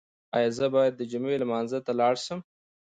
ایا زه باید د جمعې لمانځه ته لاړ شم؟